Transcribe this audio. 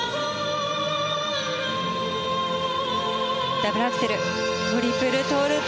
ダブルアクセルトリプルトウループ。